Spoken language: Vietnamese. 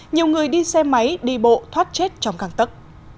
nhiều người đi xe máy đi bộ thoát chết trong căng tấc